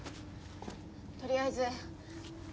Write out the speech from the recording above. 取りあえず。